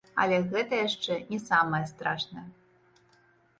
Але гэта яшчэ не самае страшнае.